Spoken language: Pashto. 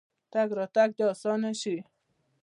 تګ راتګ دې اسانه شي.